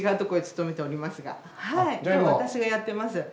私がやってます。